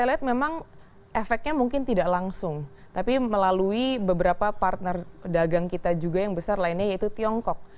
karena memang efeknya mungkin tidak langsung tapi melalui beberapa partner dagang kita juga yang besar lainnya yaitu tiongkok